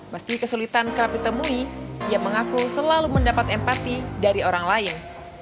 meski kesulitan kerap ditemui ia mengaku selalu mendapat empati dari orang lain